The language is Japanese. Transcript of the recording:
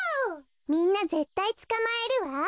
みんなぜったいつかまえるわ。